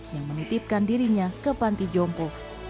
yang menitipkan dirinya ke panti jompo